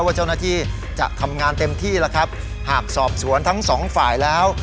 ว่าเจ้าหน้าที่จะทำงานเต็มที่แล้วครับหากสอบสวนทั้งสองฝ่ายแล้ว